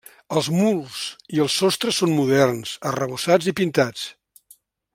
Els murs i el sostre són moderns, arrebossats i pintats.